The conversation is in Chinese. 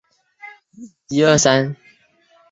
妈妈的菜超咸的